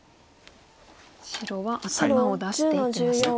白は頭を出していきました。